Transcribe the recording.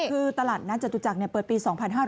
คือตลาดนัดจตุจักรเปิดปี๒๕๕๙